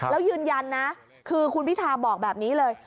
แล้วยืนยันนะคือคุณพิธาบอกแบบนี้เลย